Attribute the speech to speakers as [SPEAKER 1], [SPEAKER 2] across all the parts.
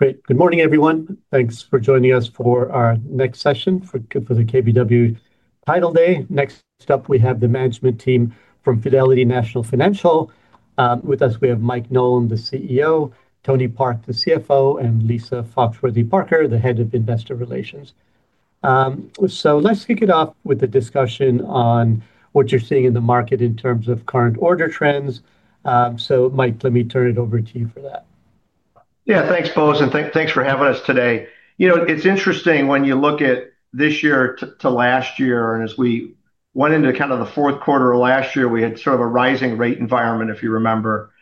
[SPEAKER 1] Great. Good morning, everyone. Thanks for joining us for our next session for the KBW Title Day. Next up, we have the management team from Fidelity National Financial. With us, we have Mike Nolan, the CEO, Tony Park, the CFO, and Lisa Foxworthy-Parker, the Head of Investor Relations. So let's kick it off with a discussion on what you're seeing in the market in terms of current order trends. So, Mike, let me turn it over to you for that.
[SPEAKER 2] Yeah, thanks, Bose. And thanks for having us today. You know, it's interesting when you look at this year to last year, and as we went into kind of the fourth quarter of last year, we had sort of a rising rate environment, if you remember.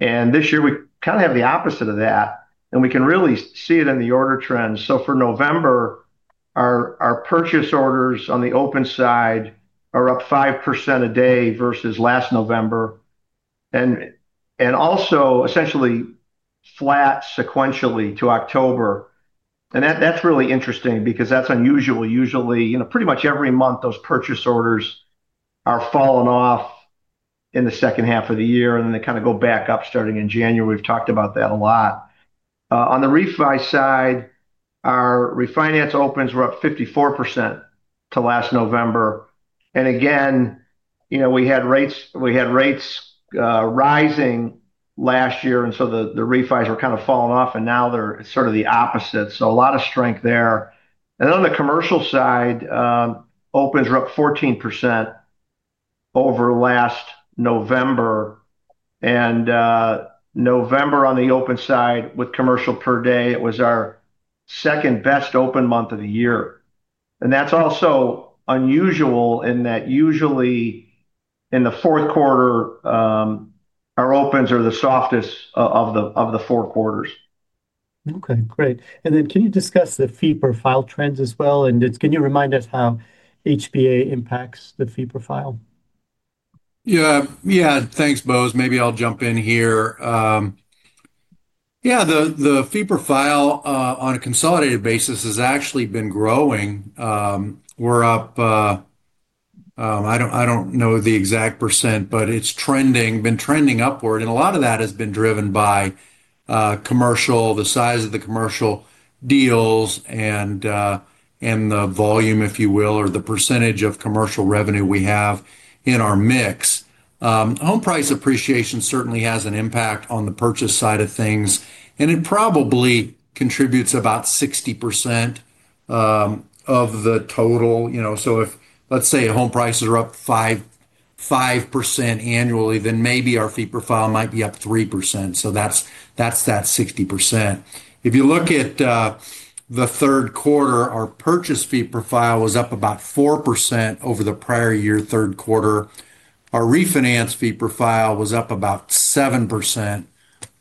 [SPEAKER 2] And this year, we kind of have the opposite of that. And we can really see it in the order trends. So for November, our purchase orders on the open side are up 5% a day versus last November, and also essentially flat sequentially to October. And that's really interesting because that's unusual. Usually, pretty much every month, those purchase orders are falling off in the second half of the year, and then they kind of go back up starting in January. We've talked about that a lot. On the refi side, our refinance opens were up 54% to last November. And again, we had rates rising last year, and so the refis were kind of falling off, and now they're sort of the opposite. So a lot of strength there. And then on the commercial side, opens were up 14% over last November. And November, on the open side with commercial per day, it was our second-best open month of the year. And that's also unusual in that usually in the fourth quarter, our opens are the softest of the four quarters.
[SPEAKER 1] Okay, great. And then can you discuss the fee profile trends as well? And can you remind us how HBA impacts the fee profile?
[SPEAKER 3] Yeah, yeah, thanks, Bose. Maybe I'll jump in here. Yeah, the fee profile on a consolidated basis has actually been growing. We're up, I don't know the exact percent, but it's been trending upward. And a lot of that has been driven by commercial, the size of the commercial deals, and the volume, if you will, or the percentage of commercial revenue we have in our mix. Home price appreciation certainly has an impact on the purchase side of things, and it probably contributes about 60% of the total. So if, let's say, home prices are up 5% annually, then maybe our fee profile might be up 3%. So that's that 60%. If you look at the third quarter, our purchase fee profile was up about 4% over the prior year third quarter. Our refinance fee profile was up about 7%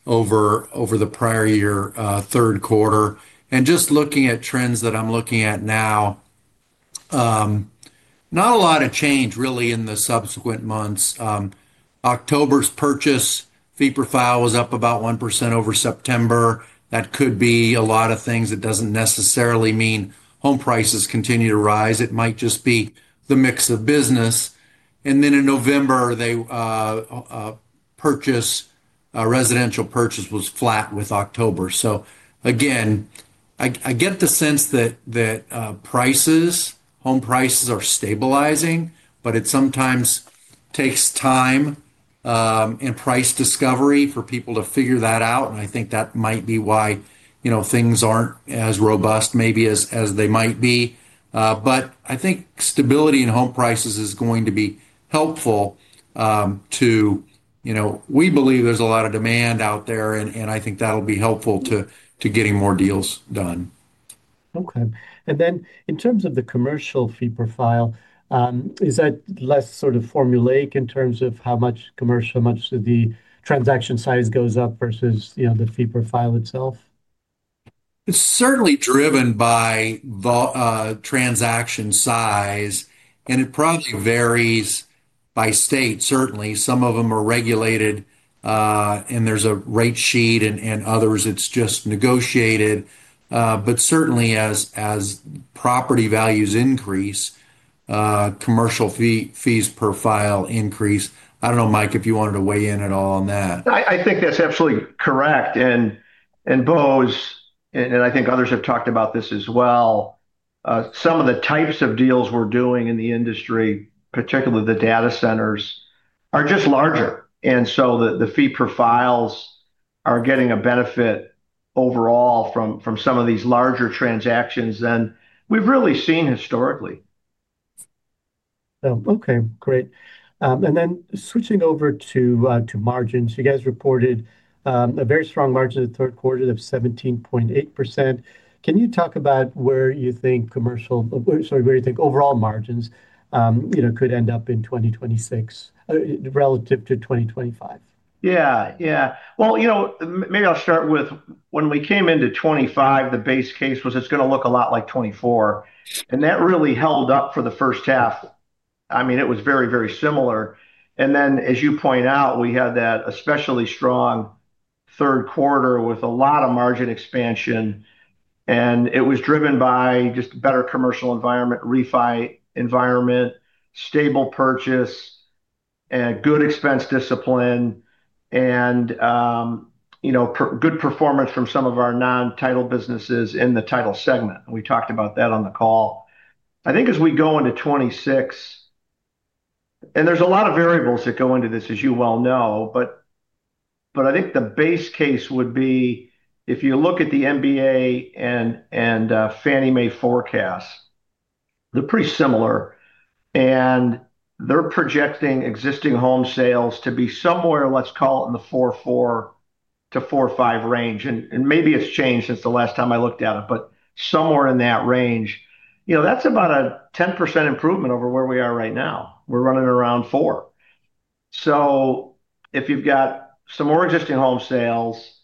[SPEAKER 3] over the prior year third quarter. Just looking at trends that I'm looking at now, not a lot of change really in the subsequent months. October's purchase fee profile was up about 1% over September. That could be a lot of things. It doesn't necessarily mean home prices continue to rise. It might just be the mix of business. And then in November, the purchase, residential purchase was flat with October. So again, I get the sense that prices, home prices are stabilizing, but it sometimes takes time and price discovery for people to figure that out. And I think that might be why things aren't as robust, maybe as they might be. But I think stability in home prices is going to be helpful to, we believe there's a lot of demand out there, and I think that'll be helpful to getting more deals done.
[SPEAKER 1] Okay. And then in terms of the commercial fee profile, is that less sort of formulaic in terms of how much commercial, how much the transaction size goes up versus the fee profile itself?
[SPEAKER 3] It's certainly driven by transaction size, and it probably varies by state, certainly. Some of them are regulated, and there's a rate sheet, and others it's just negotiated. But certainly, as property values increase, commercial fees profile increase. I don't know, Mike, if you wanted to weigh in at all on that.
[SPEAKER 2] I think that's absolutely correct. And Bose, and I think others have talked about this as well, some of the types of deals we're doing in the industry, particularly the data centers, are just larger. And so the fee profiles are getting a benefit overall from some of these larger transactions than we've really seen historically.
[SPEAKER 1] Okay, great. And then switching over to margins, you guys reported a very strong margin in the third quarter of 17.8%. Can you talk about where you think commercial, sorry, where you think overall margins could end up in 2026 relative to 2025?
[SPEAKER 2] Yeah, yeah. Well, you know, maybe I'll start with when we came into 2025, the base case was it's going to look a lot like 2024. And that really held up for the first half. I mean, it was very, very similar. And then, as you point out, we had that especially strong third quarter with a lot of margin expansion. And it was driven by just a better commercial environment, refi environment, stable purchase, good expense discipline, and good performance from some of our non-title businesses in the title segment. And we talked about that on the call. I think as we go into 2026, and there's a lot of variables that go into this, as you well know, but I think the base case would be if you look at the MBA and Fannie Mae forecasts, they're pretty similar. They're projecting existing home sales to be somewhere, let's call it in the 4.4-4.5 range. Maybe it's changed since the last time I looked at it, but somewhere in that range. That's about a 10% improvement over where we are right now. We're running around 4. If you've got some more existing home sales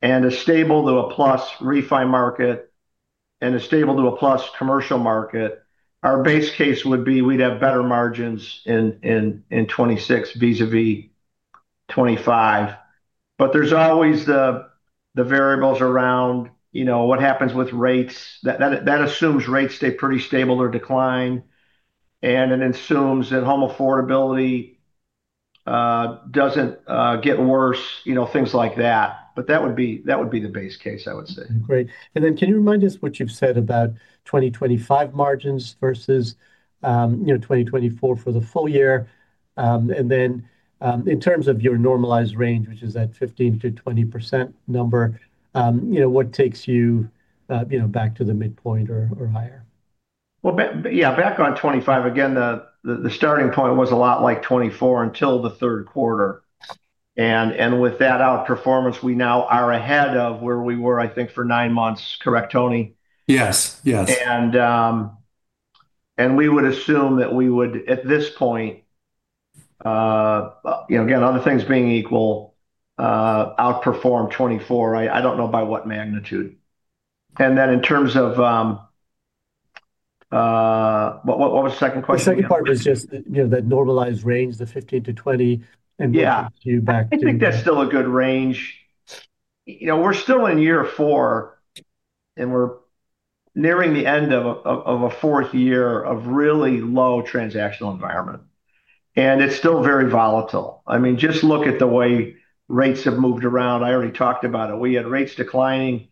[SPEAKER 2] and a stable to a plus refi market and a stable to a plus commercial market, our base case would be we'd have better margins in 2026 vis-à-vis 2025. There's always the variables around what happens with rates. That assumes rates stay pretty stable or decline, and it assumes that home affordability doesn't get worse, things like that. That would be the base case, I would say.
[SPEAKER 1] Great. And then can you remind us what you've said about 2025 margins versus 2024 for the full year? And then in terms of your normalized range, which is that 15%-20% number, what takes you back to the midpoint or higher?
[SPEAKER 2] Well, yeah, back on 2025, again, the starting point was a lot like 2024 until the third quarter, and with that outperformance, we now are ahead of where we were, I think, for nine months. Correct, Tony?
[SPEAKER 3] Yes, yes.
[SPEAKER 2] And we would assume that we would, at this point, again, other things being equal, outperform 2024. I don't know by what magnitude. And then in terms of what was the second question?
[SPEAKER 1] The second part was just that normalized range, the 15-20. And then back to.
[SPEAKER 2] Yeah, I think that's still a good range. We're still in year four, and we're nearing the end of a fourth year of really low transactional environment. And it's still very volatile. I mean, just look at the way rates have moved around. I already talked about it. We had rates declining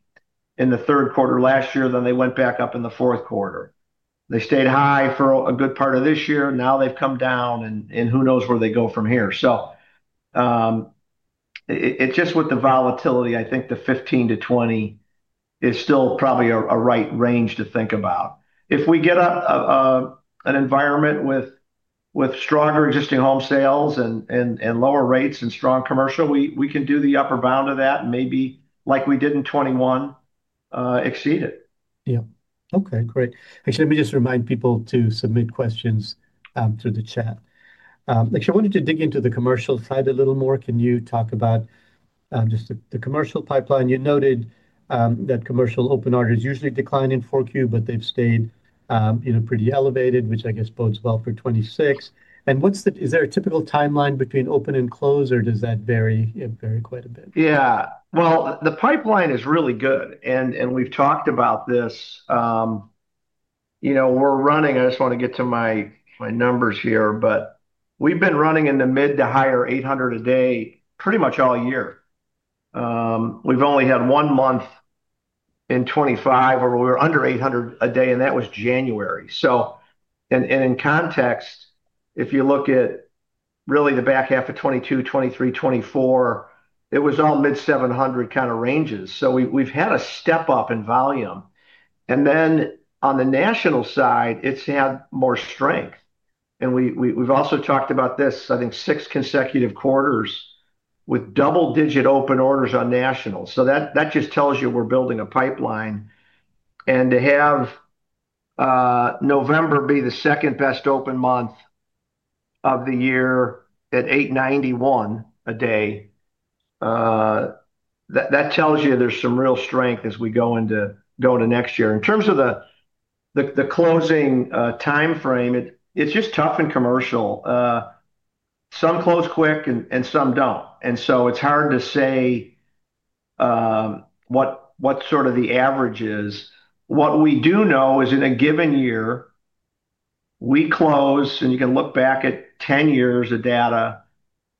[SPEAKER 2] in the third quarter last year, then they went back up in the fourth quarter. They stayed high for a good part of this year. Now they've come down, and who knows where they go from here. So it's just with the volatility, I think the 15%-20% is still probably a right range to think about. If we get an environment with stronger existing home sales and lower rates and strong commercial, we can do the upper bound of that, maybe like we did in 2021, exceed it.
[SPEAKER 1] Yeah. Okay, great. Actually, let me just remind people to submit questions through the chat. Actually, I wanted to dig into the commercial side a little more. Can you talk about just the commercial pipeline? You noted that commercial open orders usually decline in Q4, but they've stayed pretty elevated, which I guess bodes well for 2026. And is there a typical timeline between open and close, or does that vary quite a bit?
[SPEAKER 2] Yeah, well, the pipeline is really good, and we've talked about this. We're running. I just want to get to my numbers here, but we've been running in the mid to higher 800 a day pretty much all year. We've only had one month in 2025 where we were under 800 a day, and that was January, so in context, if you look at really the back half of 2022, 2023, 2024, it was all mid 700 kind of ranges, so we've had a step up in volume, and then on the national side, it's had more strength, and we've also talked about this. I think six consecutive quarters with double-digit open orders on national, so that just tells you we're building a pipeline. To have November be the second-best open month of the year at 891 a day, that tells you there's some real strength as we go into next year. In terms of the closing timeframe, it's just tough in commercial. Some close quick and some don't. So it's hard to say what sort of the average is. What we do know is in a given year, we close, and you can look back at 10 years of data,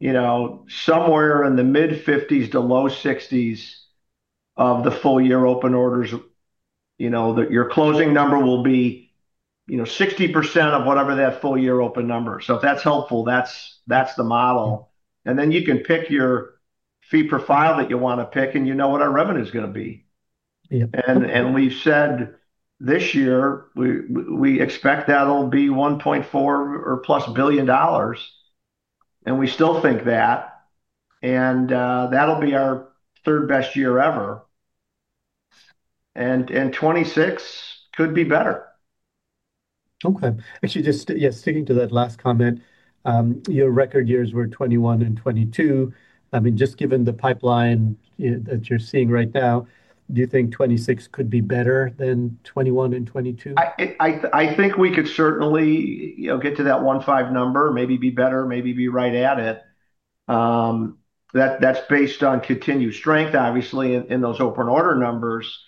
[SPEAKER 2] somewhere in the mid-50s to low-60s of the full year open orders, your closing number will be 60% of whatever that full year open number. If that's helpful, that's the model. Then you can pick your fee profile that you want to pick, and you know what our revenue is going to be. We've said this year, we expect that'll be $1.4 billion or plus. We still think that. That'll be our third best year ever. 2026 could be better.
[SPEAKER 1] Okay. Actually, just, yeah, sticking to that last comment, your record years were 2021 and 2022. I mean, just given the pipeline that you're seeing right now, do you think 2026 could be better than 2021 and 2022?
[SPEAKER 2] I think we could certainly get to that 1.5 number, maybe be better, maybe be right at it. That's based on continued strength, obviously, in those open order numbers.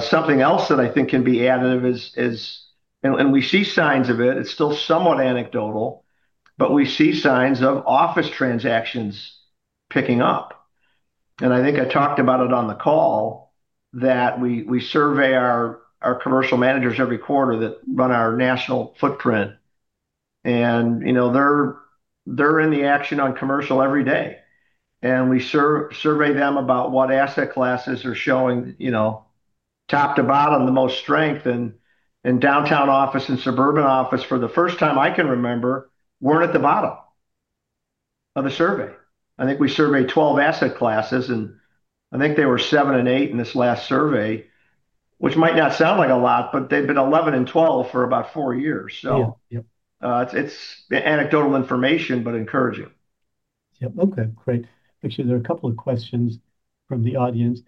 [SPEAKER 2] Something else that I think can be additive is, and we see signs of it. It's still somewhat anecdotal, but we see signs of office transactions picking up, and I think I talked about it on the call that we survey our commercial managers every quarter that run our national footprint, and they're in the action on commercial every day, and we survey them about what asset classes are showing top to bottom the most strength, and downtown office and suburban office for the first time I can remember weren't at the bottom of the survey. I think we surveyed 12 asset classes, and I think they were 7 and 8 in this last survey, which might not sound like a lot, but they've been 11 and 12 for about four years. So it's anecdotal information, but encouraging.
[SPEAKER 1] Yep. Okay. Great. Actually, there are a couple of questions from the audience.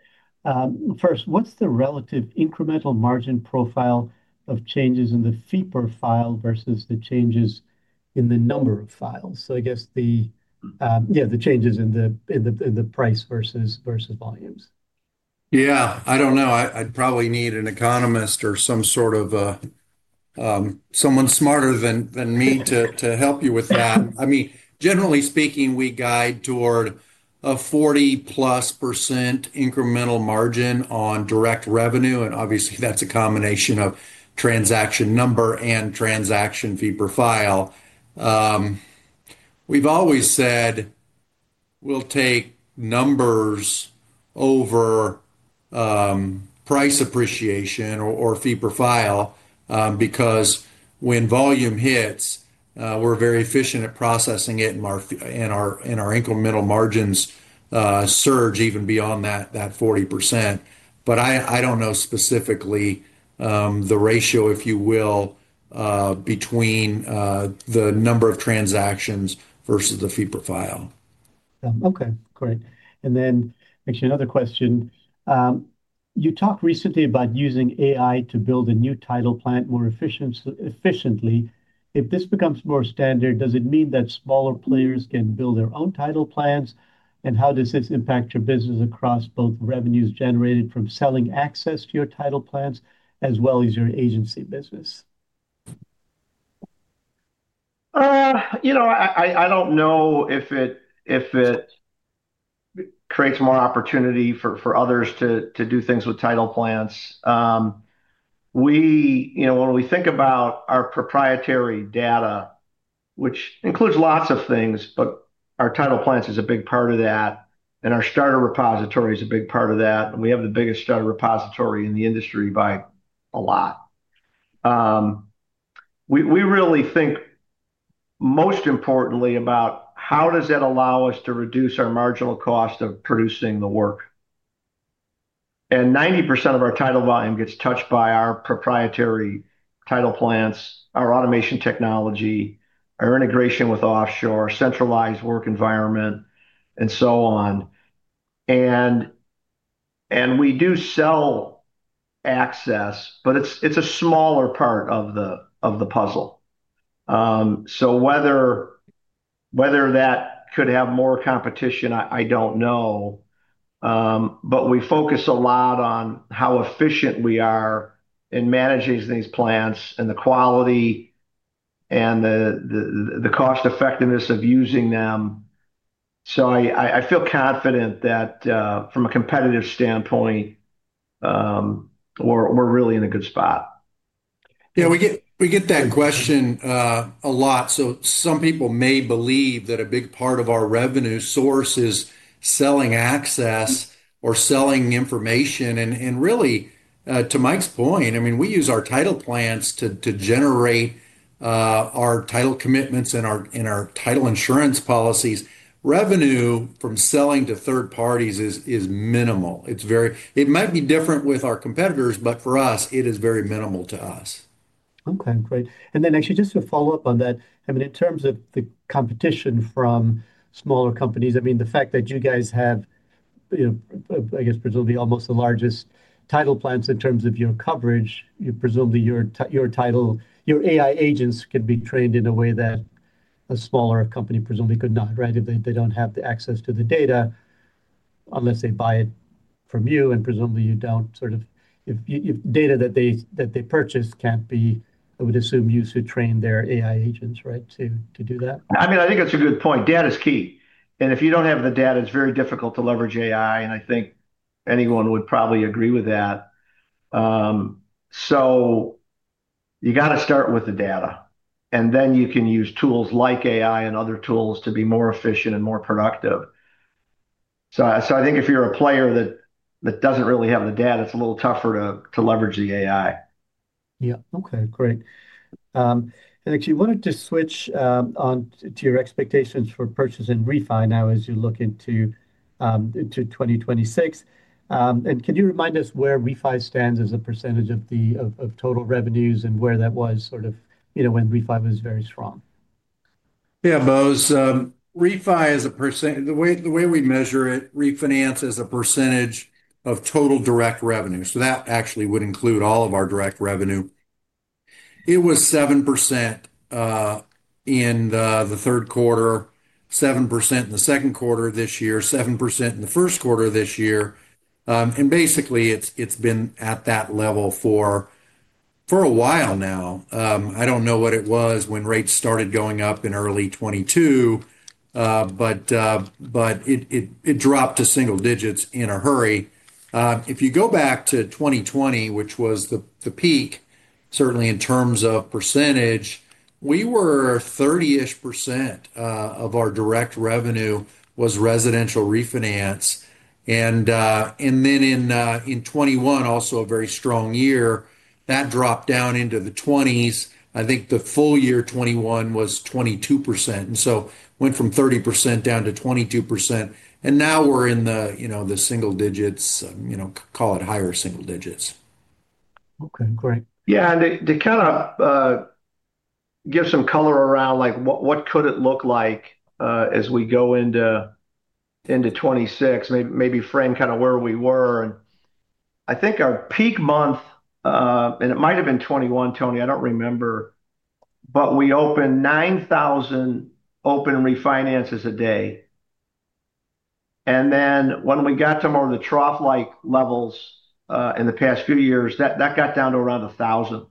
[SPEAKER 1] First, what's the relative incremental margin profile of changes in the fee profile versus the changes in the number of files? So I guess the, yeah, the changes in the price versus volumes.
[SPEAKER 3] Yeah. I don't know. I'd probably need an economist or some sort of someone smarter than me to help you with that. I mean, generally speaking, we guide toward a 40+% incremental margin on direct revenue. And obviously, that's a combination of transaction number and transaction fee profile. We've always said we'll take numbers over price appreciation or fee profile because when volume hits, we're very efficient at processing it, and our incremental margins surge even beyond that 40%. But I don't know specifically the ratio, if you will, between the number of transactions versus the fee profile.
[SPEAKER 1] Okay. Great. And then actually another question. You talked recently about using AI to build a new title plant more efficiently. If this becomes more standard, does it mean that smaller players can build their own title plants? And how does this impact your business across both revenues generated from selling access to your title plants as well as your agency business?
[SPEAKER 2] You know, I don't know if it creates more opportunity for others to do things with title plants. When we think about our proprietary data, which includes lots of things, but our title plants is a big part of that, and our starter repository is a big part of that. And we have the biggest starter repository in the industry by a lot. We really think most importantly about how does that allow us to reduce our marginal cost of producing the work. And 90% of our title volume gets touched by our proprietary title plants, our automation technology, our integration with offshore, centralized work environment, and so on. And we do sell access, but it's a smaller part of the puzzle. So whether that could have more competition, I don't know. But we focus a lot on how efficient we are in managing these plants and the quality and the cost-effectiveness of using them. So I feel confident that from a competitive standpoint, we're really in a good spot.
[SPEAKER 3] Yeah. We get that question a lot. So some people may believe that a big part of our revenue source is selling access or selling information. And really, to Mike's point, I mean, we use our title plants to generate our title commitments and our title insurance policies. Revenue from selling to third parties is minimal. It might be different with our competitors, but for us, it is very minimal to us.
[SPEAKER 1] Okay. Great. And then actually just to follow up on that, I mean, in terms of the competition from smaller companies, I mean, the fact that you guys have, I guess, presumably almost the largest title plants in terms of your coverage, presumably your title, your AI agents can be trained in a way that a smaller company presumably could not, right? They don't have the access to the data unless they buy it from you, and presumably you don't sort of, if data that they purchase can't be, I would assume you should train their AI agents, right, to do that.
[SPEAKER 2] I mean, I think that's a good point. Data is key. And if you don't have the data, it's very difficult to leverage AI. And I think anyone would probably agree with that. So you got to start with the data, and then you can use tools like AI and other tools to be more efficient and more productive. So I think if you're a player that doesn't really have the data, it's a little tougher to leverage the AI.
[SPEAKER 1] Yeah. Okay. Great. And actually, I wanted to switch on to your expectations for purchase and refi now as you look into 2026. And can you remind us where refi stands as a percentage of total revenues and where that was sort of when refi was very strong?
[SPEAKER 3] Yeah. Both refi as a percent, the way we measure it, refinance as a percentage of total direct revenue. So that actually would include all of our direct revenue. It was 7% in the third quarter, 7% in the second quarter of this year, 7% in the first quarter of this year. And basically, it's been at that level for a while now. I don't know what it was when rates started going up in early 2022, but it dropped to single digits in a hurry. If you go back to 2020, which was the peak, certainly in terms of percentage, we were 30-ish % of our direct revenue was residential refinance. And then in 2021, also a very strong year, that dropped down into the 20s. I think the full year 2021 was 22%. And so went from 30% down to 22%. Now we're in the single digits, call it higher single digits.
[SPEAKER 1] Okay. Great.
[SPEAKER 2] Yeah. And to kind of give some color around what could it look like as we go into 2026, maybe frame kind of where we were. And I think our peak month, and it might have been 2021, Tony, I don't remember, but we opened 9,000 open refinances a day. And then when we got to more of the trough-like levels in the past few years, that got down to around 1,000.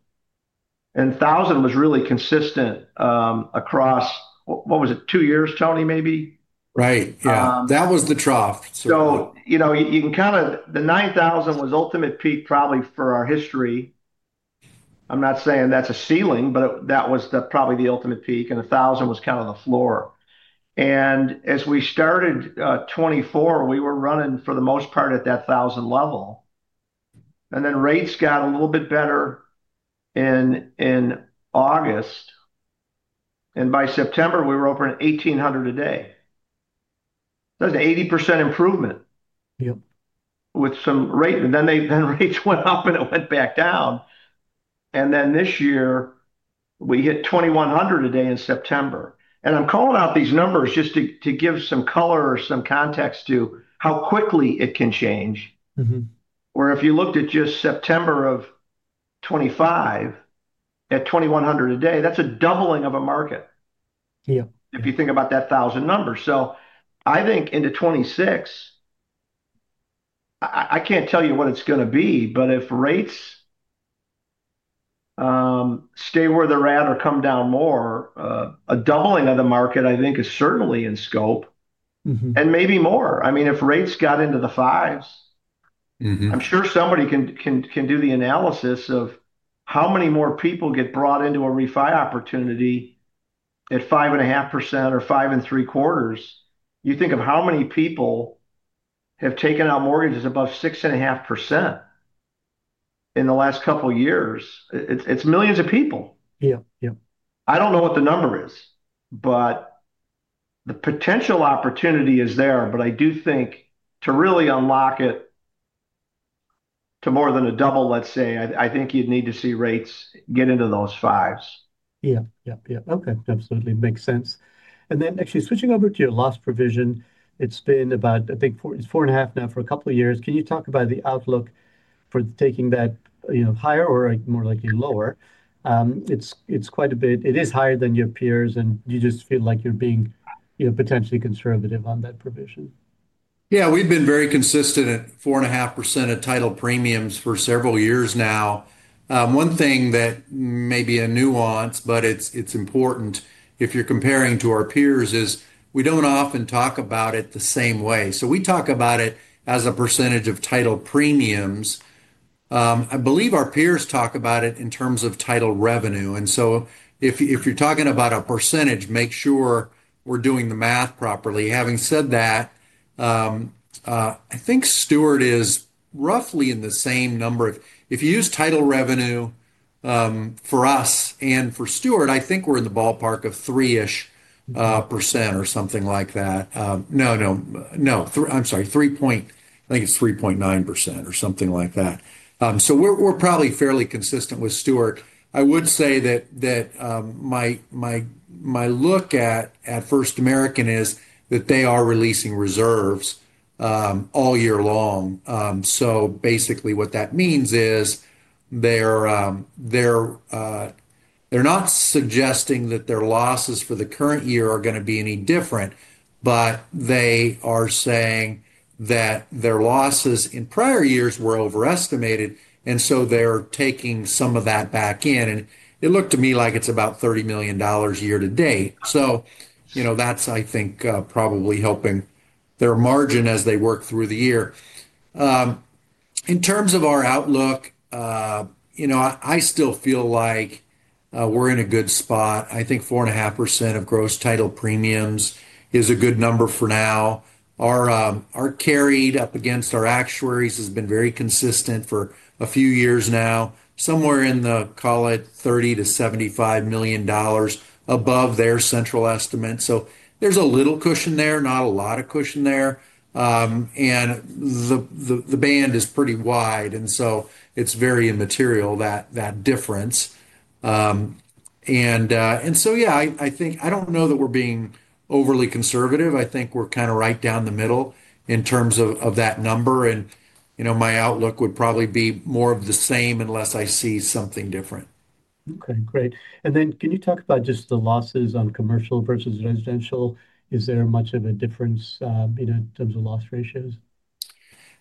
[SPEAKER 2] And 1,000 was really consistent across, what was it, two years, Tony, maybe?
[SPEAKER 3] Right. Yeah. That was the trough.
[SPEAKER 2] So you can kind of, the 9,000 was the ultimate peak probably for our history. I'm not saying that's a ceiling, but that was probably the ultimate peak. And 1,000 was kind of the floor. And as we started 2024, we were running for the most part at that 1,000 level. And then rates got a little bit better in August. And by September, we were opening 1,800 a day. That's an 80% improvement with some rate. And then rates went up and it went back down. And then this year, we hit 2,100 a day in September. And I'm calling out these numbers just to give some color or some context to how quickly it can change. Where if you looked at just September of 2025 at 2,100 a day, that's a doubling of a market if you think about that 1,000 number. So I think into 2026, I can't tell you what it's going to be, but if rates stay where they're at or come down more, a doubling of the market, I think, is certainly in scope and maybe more. I mean, if rates got into the fives, I'm sure somebody can do the analysis of how many more people get brought into a refi opportunity at 5.5% or 5.75%. You think of how many people have taken out mortgages above 6.5% in the last couple of years. It's millions of people. I don't know what the number is, but the potential opportunity is there. But I do think to really unlock it to more than a double, let's say, I think you'd need to see rates get into those fives.
[SPEAKER 1] Yeah. Yeah. Yeah. Okay. Absolutely. Makes sense, and then actually switching over to your last provision, it's been about, I think it's four and a half now for a couple of years. Can you talk about the outlook for taking that higher or more likely lower? It's quite a bit. It is higher than your peers, and you just feel like you're being potentially conservative on that provision.
[SPEAKER 3] Yeah. We've been very consistent at 4.5% of title premiums for several years now. One thing that may be a nuance, but it's important if you're comparing to our peers is we don't often talk about it the same way. So we talk about it as a percentage of title premiums. I believe our peers talk about it in terms of title revenue. And so if you're talking about a percentage, make sure we're doing the math properly. Having said that, I think Stewart is roughly in the same number of if you use title revenue for us and for Stewart, I think we're in the ballpark of 3-ish % or something like that. No, no. No. I'm sorry. I think it's 3.9% or something like that. So we're probably fairly consistent with Stewart. I would say that my look at First American is that they are releasing reserves all year long. So basically what that means is they're not suggesting that their losses for the current year are going to be any different, but they are saying that their losses in prior years were overestimated. And so they're taking some of that back in. And it looked to me like it's about $30 million year to date. So that's, I think, probably helping their margin as they work through the year. In terms of our outlook, I still feel like we're in a good spot. I think 4.5% of gross title premiums is a good number for now. Our carried up against our actuaries has been very consistent for a few years now, somewhere in the, call it, $30 million to $75 million above their central estimate. So there's a little cushion there, not a lot of cushion there. And the band is pretty wide. And so it's very immaterial that difference. And so, yeah, I think I don't know that we're being overly conservative. I think we're kind of right down the middle in terms of that number. And my outlook would probably be more of the same unless I see something different.
[SPEAKER 1] Okay. Great. And then can you talk about just the losses on commercial versus residential? Is there much of a difference in terms of loss ratios?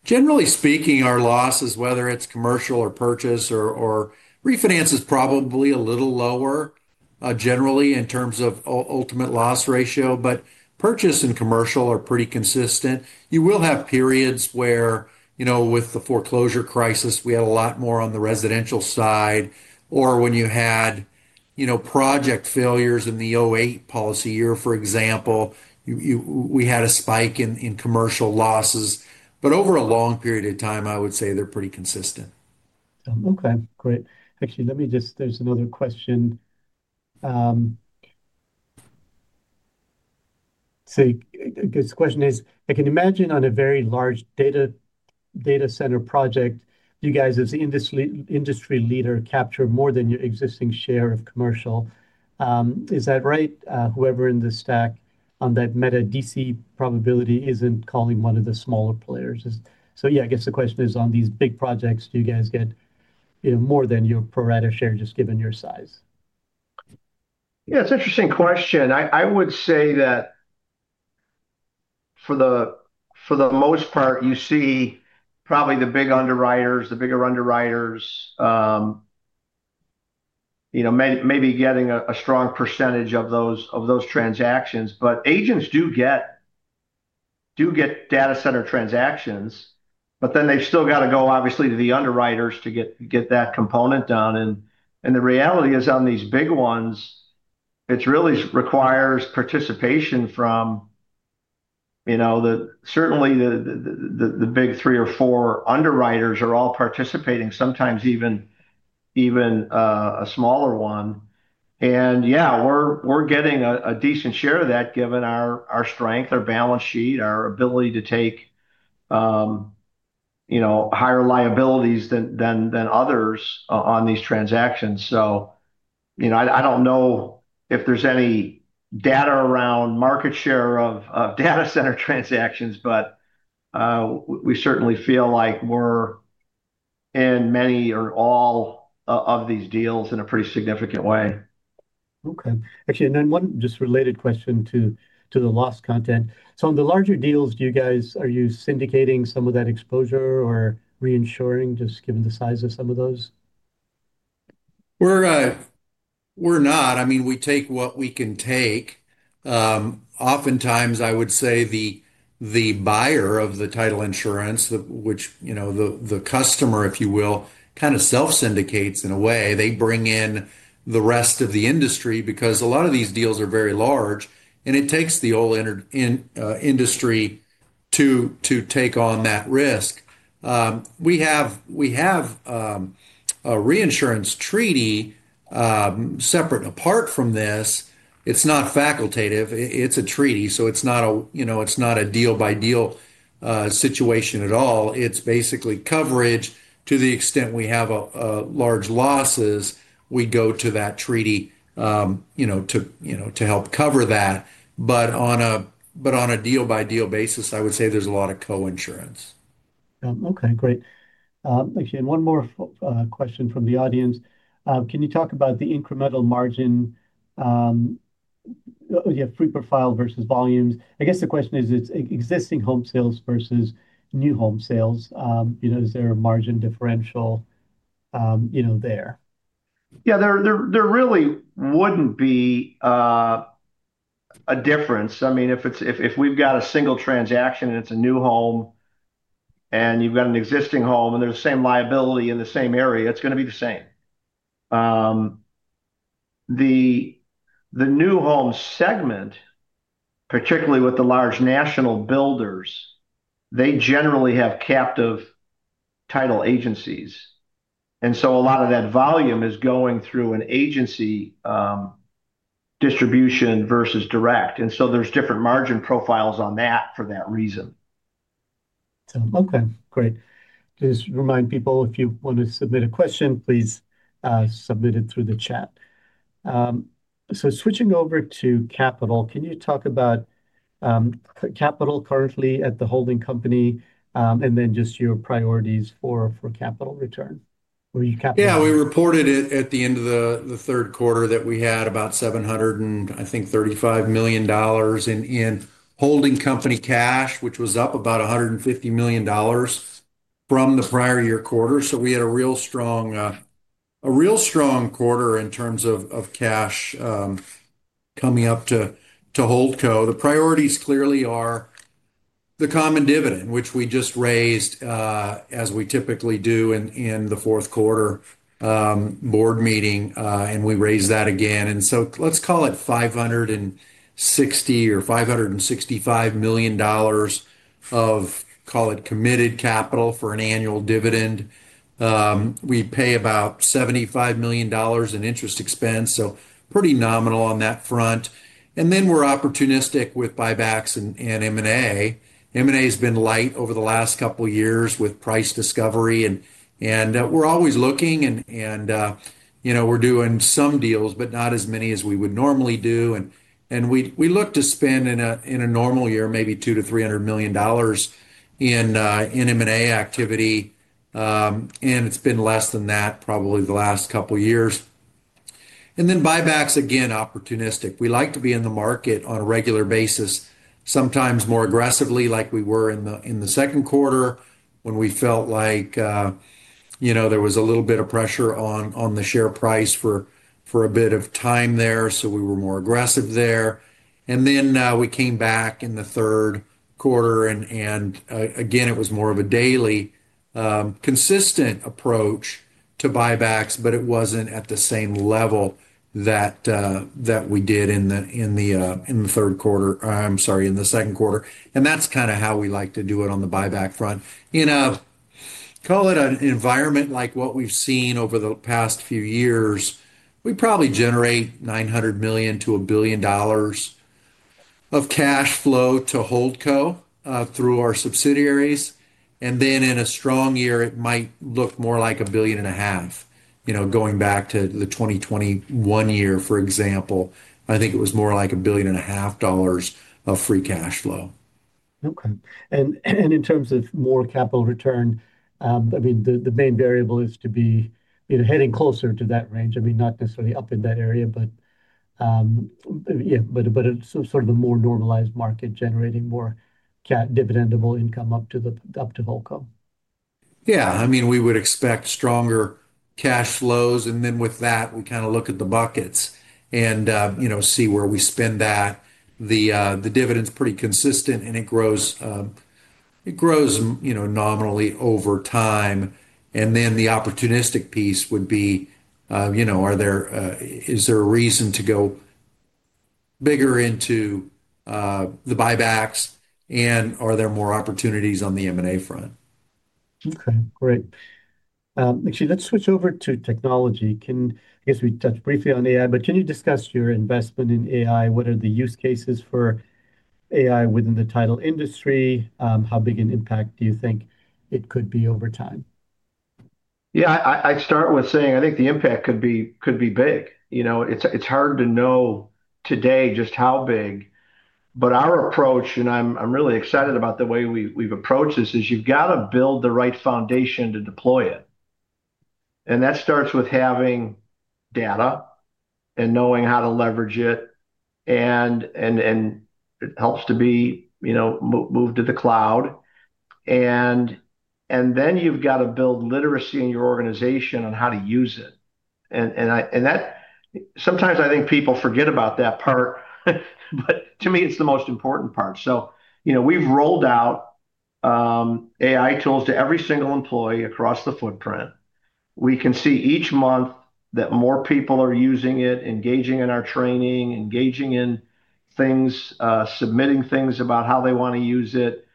[SPEAKER 3] Generally speaking, our losses, whether it's commercial or purchase or refinance, is probably a little lower generally in terms of ultimate loss ratio. But purchase and commercial are pretty consistent. You will have periods where with the foreclosure crisis, we had a lot more on the residential side. Or when you had project failures in the 2008 policy year, for example, we had a spike in commercial losses. But over a long period of time, I would say they're pretty consistent.
[SPEAKER 1] Okay. Great. Actually, let me just, there's another question. So this question is, I can imagine on a very large data center project, you guys as industry leader capture more than your existing share of commercial. Is that right? Whoever in the stack on that Meta DC probably isn't calling one of the smaller players. So, yeah, I guess the question is on these big projects, do you guys get more than your pro rata share just given your size?
[SPEAKER 2] Yeah. It's an interesting question. I would say that for the most part, you see probably the big underwriters, the bigger underwriters maybe getting a strong percentage of those transactions. But agents do get data center transactions, but then they've still got to go, obviously, to the underwriters to get that component done. And the reality is on these big ones, it really requires participation from certainly the big three or four underwriters are all participating, sometimes even a smaller one. And yeah, we're getting a decent share of that given our strength, our balance sheet, our ability to take higher liabilities than others on these transactions. So I don't know if there's any data around market share of data center transactions, but we certainly feel like we're in many or all of these deals in a pretty significant way.
[SPEAKER 1] Okay. Actually, and then one just related question to the loss content. So on the larger deals, do you guys, are you syndicating some of that exposure or reinsuring just given the size of some of those?
[SPEAKER 3] We're not. I mean, we take what we can take. Oftentimes, I would say the buyer of the title insurance, which the customer, if you will, kind of self-syndicates in a way. They bring in the rest of the industry because a lot of these deals are very large, and it takes the whole industry to take on that risk. We have a reinsurance treaty separate apart from this. It's not facultative. It's a treaty. So it's not a deal-by-deal situation at all. It's basically coverage to the extent we have large losses, we go to that treaty to help cover that. But on a deal-by-deal basis, I would say there's a lot of co-insurance.
[SPEAKER 1] Okay. Great. Actually, one more question from the audience. Can you talk about the incremental margin? You have fee profile versus volumes. I guess the question is existing home sales versus new home sales. Is there a margin differential there?
[SPEAKER 2] Yeah. There really wouldn't be a difference. I mean, if we've got a single transaction and it's a new home and you've got an existing home and there's the same liability in the same area, it's going to be the same. The new home segment, particularly with the large national builders, they generally have captive title agencies. And so a lot of that volume is going through an agency distribution versus direct. And so there's different margin profiles on that for that reason.
[SPEAKER 1] Okay. Great. Just remind people if you want to submit a question, please submit it through the chat. So switching over to capital, can you talk about capital currently at the holding company and then just your priorities for capital return? Were you captain?
[SPEAKER 3] Yeah. We reported at the end of the third quarter that we had about $735 million in holding company cash, which was up about $150 million from the prior year quarter. So we had a real strong quarter in terms of cash coming up to hold co. The priorities clearly are the common dividend, which we just raised as we typically do in the fourth quarter board meeting, and we raised that again. And so let's call it $560 or $565 million of, call it, committed capital for an annual dividend. We pay about $75 million in interest expense. So pretty nominal on that front. And then we're opportunistic with buybacks and M&A. M&A has been light over the last couple of years with price discovery. And we're always looking, and we're doing some deals, but not as many as we would normally do. We look to spend in a normal year maybe $200 million-$300 million in M&A activity. It's been less than that probably the last couple of years. Buybacks, again, opportunistic. We like to be in the market on a regular basis, sometimes more aggressively like we were in the second quarter when we felt like there was a little bit of pressure on the share price for a bit of time there. We were more aggressive there. We came back in the third quarter. Again, it was more of a daily consistent approach to buybacks, but it wasn't at the same level that we did in the third quarter. I'm sorry, in the second quarter. That's kind of how we like to do it on the buyback front. In a, call it, an environment like what we've seen over the past few years, we probably generate $900 million-$1 billion of cash flow to holding co through our subsidiaries. And then in a strong year, it might look more like $1.5 billion. Going back to the 2021 year, for example, I think it was more like $1.5 billion of free cash flow.
[SPEAKER 1] Okay, and in terms of more capital return, I mean, the main variable is to be heading closer to that range. I mean, not necessarily up in that area, but yeah, but sort of the more normalized market generating more dividendable income up to holdco.
[SPEAKER 3] Yeah. I mean, we would expect stronger cash flows. And then with that, we kind of look at the buckets and see where we spend that. The dividend's pretty consistent, and it grows nominally over time. And then the opportunistic piece would be, is there a reason to go bigger into the buybacks, and are there more opportunities on the M&A front?
[SPEAKER 1] Okay. Great. Actually, let's switch over to technology. I guess we touched briefly on AI, but can you discuss your investment in AI? What are the use cases for AI within the title industry? How big an impact do you think it could be over time?
[SPEAKER 2] Yeah. I'd start with saying I think the impact could be big. It's hard to know today just how big. But our approach, and I'm really excited about the way we've approached this, is you've got to build the right foundation to deploy it. And that starts with having data and knowing how to leverage it. And it helps to be moved to the cloud. And then you've got to build literacy in your organization on how to use it. And sometimes I think people forget about that part, but to me, it's the most important part. So we've rolled out AI tools to every single employee across the footprint. We can see each month that more people are using it, engaging in our training, engaging in things, submitting things about how they want to use it.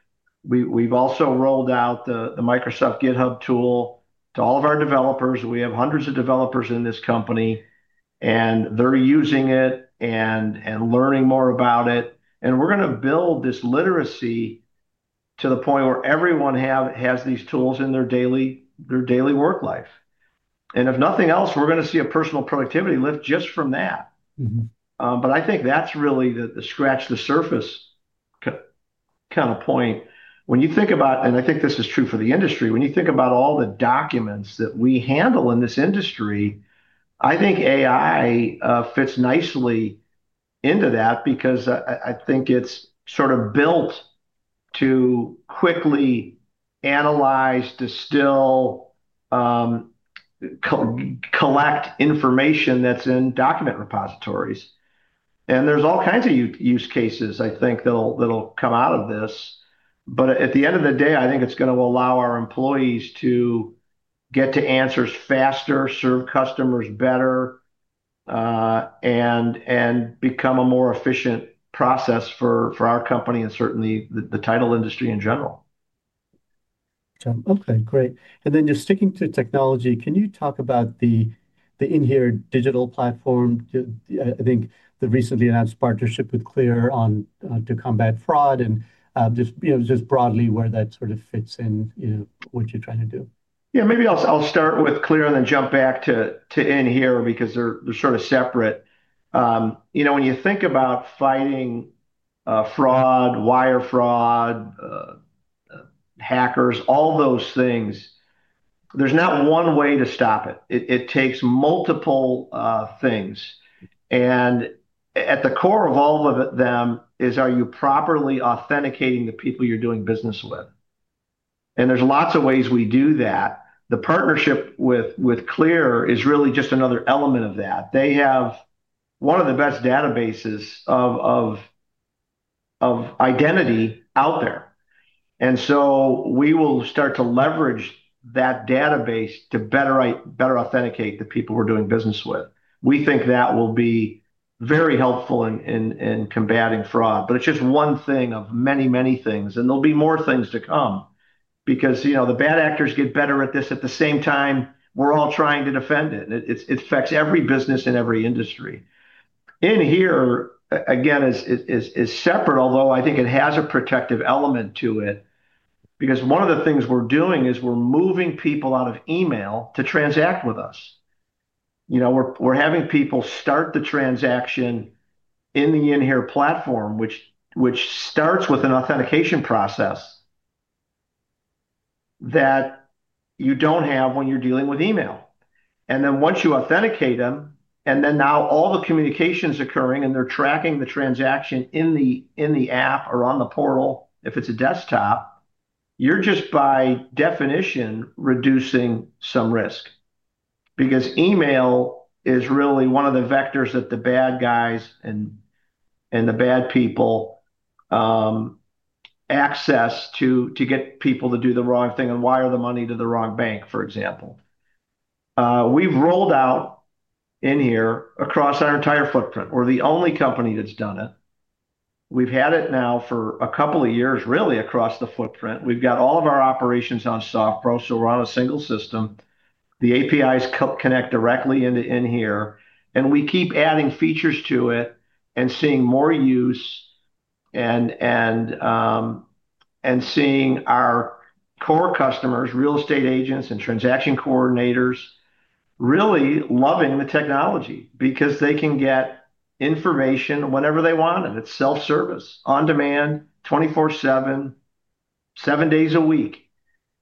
[SPEAKER 2] We've also rolled out the Microsoft GitHub tool to all of our developers. We have hundreds of developers in this company, and they're using it and learning more about it. And we're going to build this literacy to the point where everyone has these tools in their daily work life. And if nothing else, we're going to see a personal productivity lift just from that. But I think that's really the scratch the surface kind of point. When you think about, and I think this is true for the industry, when you think about all the documents that we handle in this industry, I think AI fits nicely into that because I think it's sort of built to quickly analyze, distill, collect information that's in document repositories. And there's all kinds of use cases, I think, that'll come out of this. But at the end of the day, I think it's going to allow our employees to get to answers faster, serve customers better, and become a more efficient process for our company and certainly the title industry in general.
[SPEAKER 1] Okay. Great. And then just sticking to technology, can you talk about the inHere digital platform? I think the recently announced partnership with CLEAR to combat fraud and just broadly where that sort of fits in what you're trying to do.
[SPEAKER 2] Yeah. Maybe I'll start with CLEAR and then jump back to inHere because they're sort of separate. When you think about fighting fraud, wire fraud, hackers, all those things, there's not one way to stop it. It takes multiple things. And at the core of all of them is: are you properly authenticating the people you're doing business with? And there's lots of ways we do that. The partnership with CLEAR is really just another element of that. They have one of the best databases of identity out there. And so we will start to leverage that database to better authenticate the people we're doing business with. We think that will be very helpful in combating fraud. But it's just one thing of many, many things. And there'll be more things to come because the bad actors get better at this. At the same time, we're all trying to defend it. It affects every business in every industry. inHere again is separate, although I think it has a protective element to it because one of the things we're doing is we're moving people out of email to transact with us. We're having people start the transaction in the inHere platform, which starts with an authentication process that you don't have when you're dealing with email. And then once you authenticate them, and then now all the communication's occurring and they're tracking the transaction in the app or on the portal, if it's a desktop, you're just by definition reducing some risk because email is really one of the vectors that the bad guys and the bad people access to get people to do the wrong thing and wire the money to the wrong bank, for example. We've rolled out inHere across our entire footprint. We're the only company that's done it. We've had it now for a couple of years, really, across the footprint. We've got all of our operations on SoftPro, so we're on a single system. The APIs connect directly into inHere, and we keep adding features to it and seeing more use and seeing our core customers, real estate agents and transaction coordinators, really loving the technology because they can get information whenever they want. And it's self-service, on demand, 24/7, seven days a week.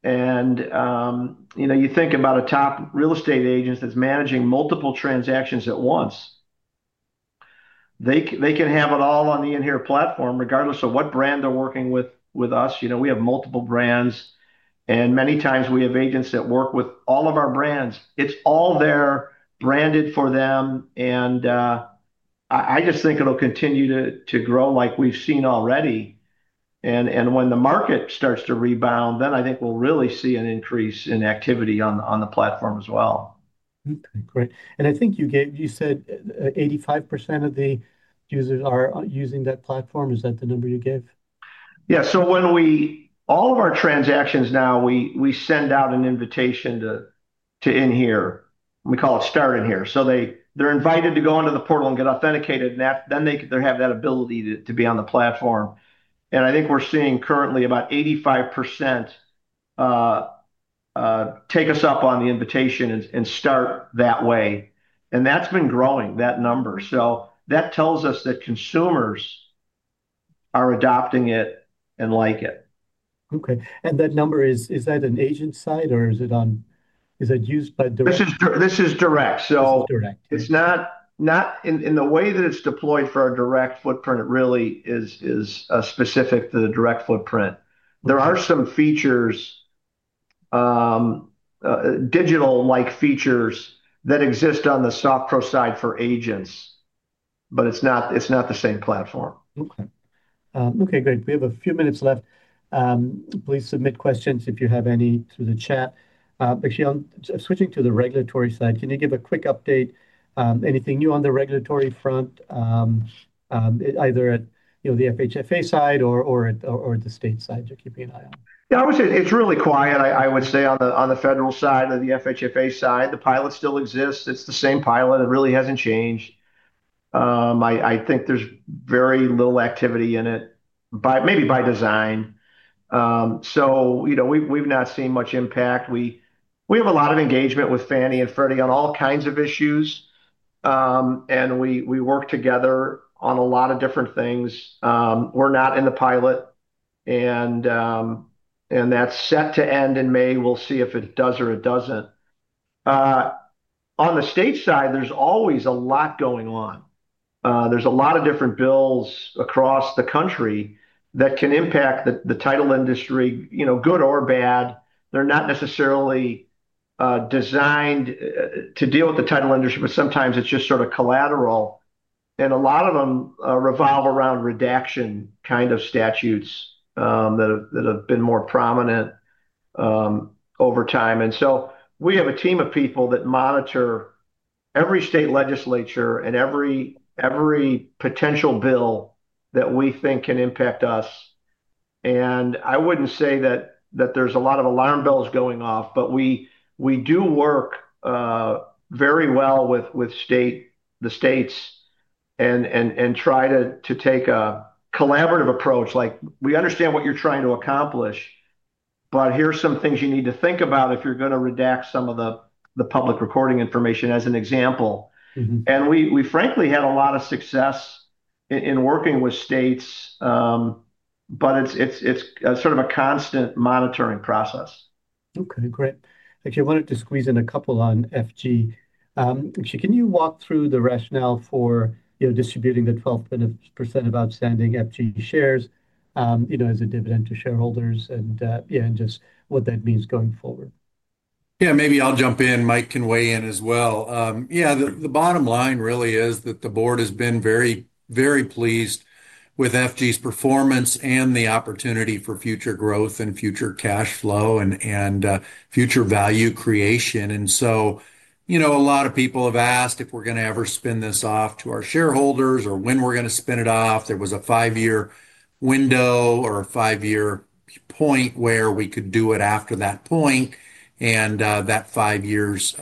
[SPEAKER 2] And you think about a top real estate agent that's managing multiple transactions at once. They can have it all on the inHere platform regardless of what brand they're working with us. We have multiple brands. And many times we have agents that work with all of our brands. It's all there branded for them. And I just think it'll continue to grow like we've seen already. And when the market starts to rebound, then I think we'll really see an increase in activity on the platform as well.
[SPEAKER 1] Okay. Great. And I think you said 85% of the users are using that platform. Is that the number you gave?
[SPEAKER 2] Yeah. So all of our transactions now, we send out an invitation to inHere. We call it start inHere. So they're invited to go into the portal and get authenticated, and then they have that ability to be on the platform. And I think we're seeing currently about 85% take us up on the invitation and start that way. And that's been growing, that number. So that tells us that consumers are adopting it and like it.
[SPEAKER 1] Okay. And that number, is that an agent's side or is it used by direct?
[SPEAKER 2] This is direct. So it's not in the way that it's deployed for our direct footprint. It really is specific to the direct footprint. There are some features, digital-like features that exist on the SoftPro side for agents, but it's not the same platform.
[SPEAKER 1] Okay. Okay. Great. We have a few minutes left. Please submit questions if you have any through the chat. Actually, switching to the regulatory side, can you give a quick update? Anything new on the regulatory front, either at the FHFA side or at the state side you're keeping an eye on?
[SPEAKER 2] Yeah. I would say it's really quiet, I would say, on the federal side or the FHFA side. The pilot still exists. It's the same pilot. It really hasn't changed. I think there's very little activity in it, maybe by design, so we've not seen much impact. We have a lot of engagement with Fannie and Freddie on all kinds of issues, and we work together on a lot of different things. We're not in the pilot, and that's set to end in May. We'll see if it does or it doesn't. On the state side, there's always a lot going on. There's a lot of different bills across the country that can impact the title industry, good or bad. They're not necessarily designed to deal with the title industry, but sometimes it's just sort of collateral. A lot of them revolve around redaction kind of statutes that have been more prominent over time. So we have a team of people that monitor every state legislature and every potential bill that we think can impact us. I wouldn't say that there's a lot of alarm bells going off, but we do work very well with the states and try to take a collaborative approach. We understand what you're trying to accomplish, but here's some things you need to think about if you're going to redact some of the public recording information, as an example. We, frankly, had a lot of success in working with states, but it's sort of a constant monitoring process.
[SPEAKER 1] Okay. Great. Actually, I wanted to squeeze in a couple on F&G. Actually, can you walk through the rationale for distributing the 12% of outstanding F&G shares as a dividend to shareholders and just what that means going forward?
[SPEAKER 3] Yeah. Maybe I'll jump in. Mike can weigh in as well. Yeah. The bottom line really is that the board has been very pleased with F&G's performance and the opportunity for future growth and future cash flow and future value creation. And so a lot of people have asked if we're going to ever spin this off to our shareholders or when we're going to spin it off. There was a five-year window or a five-year point where we could do it after that point. And that five years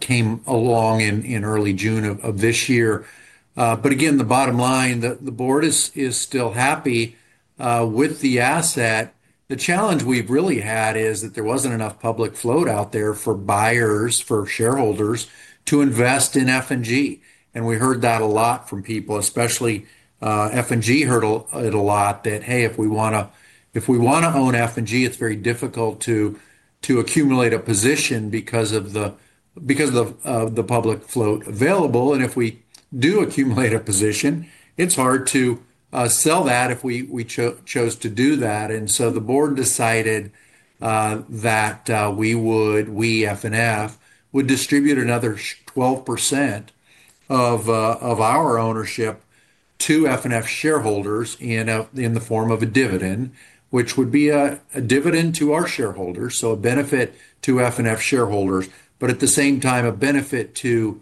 [SPEAKER 3] came along in early June of this year. But again, the bottom line, the board is still happy with the asset. The challenge we've really had is that there wasn't enough public float out there for buyers, for shareholders to invest in F&G. We heard that a lot from people, especially F&G heard it a lot, that, "Hey, if we want to own F&G, it's very difficult to accumulate a position because of the public float available. And if we do accumulate a position, it's hard to sell that if we chose to do that." And so the board decided that we would, we FNF, would distribute another 12% of our ownership to FNF shareholders in the form of a dividend, which would be a dividend to our shareholders, so a benefit to FNF shareholders, but at the same time, a benefit to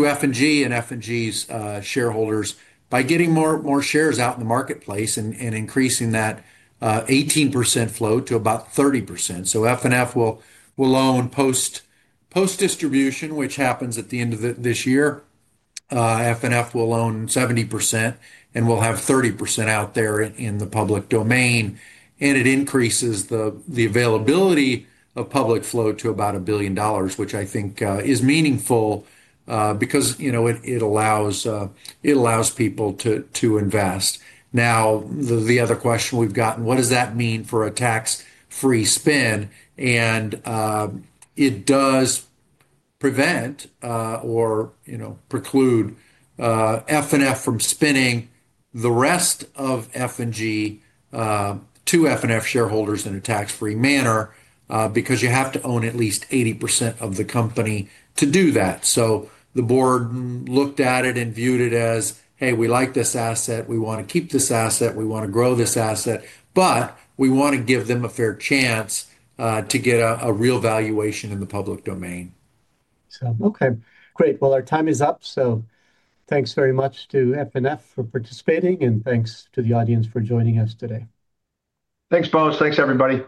[SPEAKER 3] F&G and F&G's shareholders by getting more shares out in the marketplace and increasing that 18% float to about 30%. So FNF will own post-distribution, which happens at the end of this year. FNF will own 70%, and we'll have 30% out there in the public domain. It increases the availability of public float to about $1 billion, which I think is meaningful because it allows people to invest. Now, the other question we've gotten, what does that mean for a tax-free spin? It does prevent or preclude FNF from spinning the rest of F&G to FNF shareholders in a tax-free manner because you have to own at least 80% of the company to do that. The board looked at it and viewed it as, "Hey, we like this asset. We want to keep this asset. We want to grow this asset, but we want to give them a fair chance to get a real valuation in the public domain.
[SPEAKER 1] Okay. Great. Our time is up, so thanks very much to FNF for participating, and thanks to the audience for joining us today.
[SPEAKER 2] Thanks, both. Thanks, everybody.